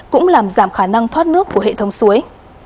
cũng làm giảm khả năng thoát nước của hệ thống suối